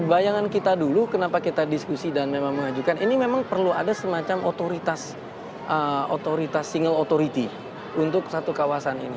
bayangan kita dulu kenapa kita diskusi dan memang mengajukan ini memang perlu ada semacam otoritas single authority untuk satu kawasan ini